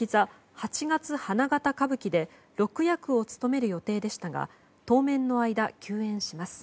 「八月花形歌舞伎」で６役を務める予定でしたが当面の間、休演します。